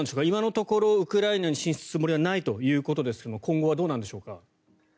今のところウクライナに進出するつもりはないということですが今後はどうなんでしょうか。